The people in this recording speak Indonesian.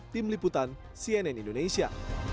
tim liputan cnn indonesia